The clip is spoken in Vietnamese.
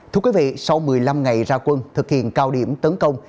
thưa quý vị sau một mươi năm ngày ra quân thực hiện cao điểm tấn công